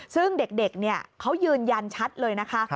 ซึ่งเด็กเขายืนยันชัดเลยนะคะ